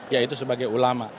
yaitu sebagai ulama